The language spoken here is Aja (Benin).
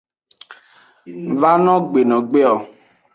Vano gbenegbe o.